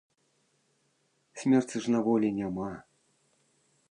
Смерці ж на волі няма.